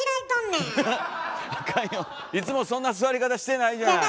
いつもそんな座り方してないじゃない。